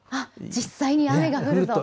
実際に雨が降ると。